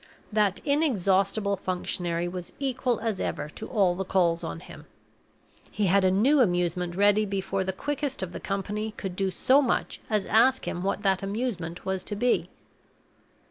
That inexhaustible functionary was equal as ever to all the calls on him. He had a new amusement ready before the quickest of the company could so much as ask him what that amusement was to be.